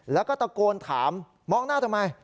แล้วก็ตะโกนถามมองหน้าทำไม